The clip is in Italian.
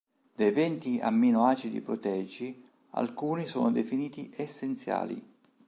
Dei venti amminoacidi proteici, alcuni sono definiti "essenziali".